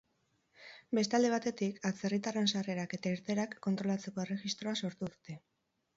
Beste alde batetik, atzerritarren sarrerak eta irteerak kontrolatzeko erregistroa sortu dute.